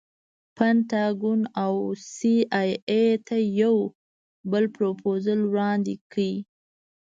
پنټاګون او سي ای اې ته یو بل پروفوزل وړاندې کړي.